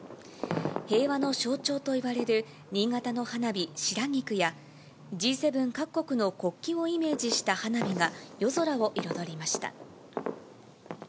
平和の象徴といわれる新潟の花火、白菊や、Ｇ７各国の国旗をイメージした花火が、夜空を彩りました。